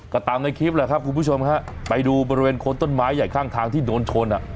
ก็ตามในคลิปแหละครับคุณผู้ชมฮะไปดูบริเวณคนต้นไม้ใหญ่ข้างทางที่โดนชนอ่ะ